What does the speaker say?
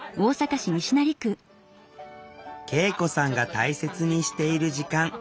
圭永子さんが大切にしている時間。